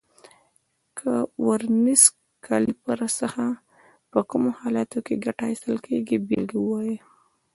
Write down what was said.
له ورنیز کالیپر څخه په کومو حالاتو کې ګټه اخیستل کېږي بېلګه ووایئ.